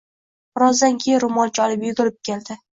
Birozdan keyin roʻmolcha olib yugurib keldi: